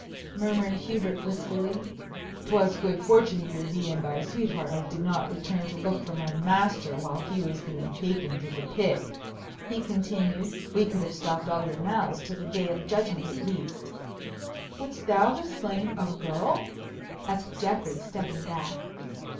murmured Hubert wistfully. "'Twas good fortune for thee and thy sweetheart I did not return to look for my master while he was being taken to the pit," he continued; "we could have stopped all your mouths till the Day of Judgment at least." "Wouldst thou have slain a girl?" asked Geoffrey, stepping back.